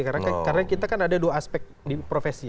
karena kita kan ada dua aspek di profesi